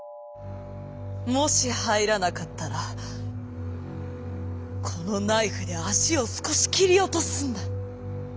「もしはいらなかったらこのナイフであしをすこしきりおとすんだ」。